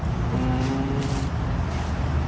อืม